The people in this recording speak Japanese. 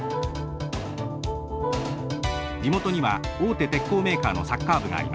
地元には大手鉄鋼メーカーのサッカー部がありました。